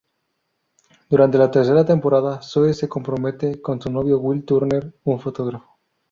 Durante la tercera temporada Zoe se compromete con su novio Will Turner, un fotógrafo.